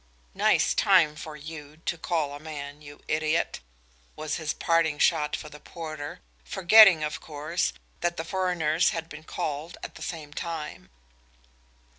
"Nice time for you, to call a man, you idiot," was his parting shot for the porter, forgetting of course, that the foreigners had been called at the same time.